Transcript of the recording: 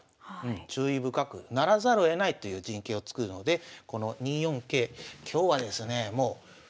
注意深くならざるをえないという陣形を作るのでこの２四桂今日はですね